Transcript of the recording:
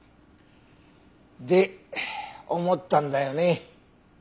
で思ったんだよね。